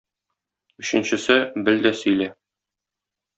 өченчесе — бел дә сөйлә;